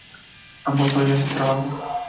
Ambos odian su trabajo.